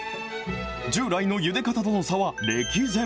従来のゆで方との差は歴然。